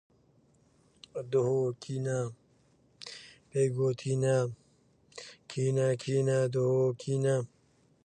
System of Giorgi without specifying which electromagnetic unit would be the fourth fundamental unit.